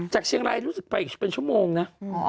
จากเชียงรายรู้สึกไปอีกเป็นชั่วโมงนะ